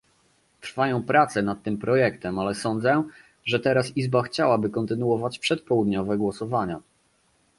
Trwają prace nad tym projektem, ale sądzę, że teraz izba chciałaby kontynuować przedpołudniowe głosowania